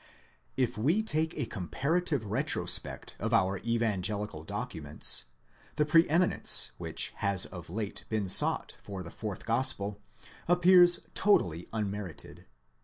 If we take a comparative retrospect of our evangelical documents, the pre eminence which has of late been sought for the fourth gospel appears totally unmerited.